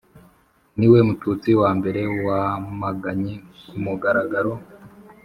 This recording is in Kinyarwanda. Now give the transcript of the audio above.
ni we mututsi wa mbere wamaganye ku mugaragaro